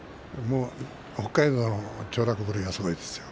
北海道のちょう落ぶりはすごいですよ。